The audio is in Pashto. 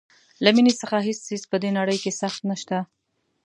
له مینې څخه هیڅ څیز په دې نړۍ کې سخت نشته.